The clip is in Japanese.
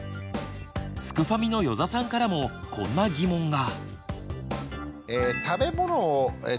すくファミの余座さんからもこんな疑問が。